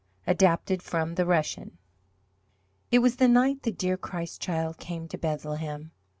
ADAPTED FROM THE RUSSIAN It was the night the dear Christ Child came to Bethlehem.